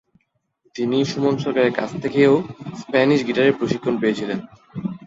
তিনি সুমন সরকারের কাছ থেকেও স্প্যানিশ গিটারের প্রশিক্ষণ পেয়েছিলেন।